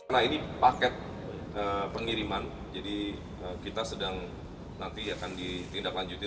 nah ini paket pengiriman jadi kita sedang nanti akan ditindaklanjuti